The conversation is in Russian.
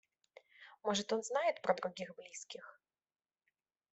Может, он знает про других близких.